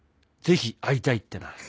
ぜひ会いたい」ってな。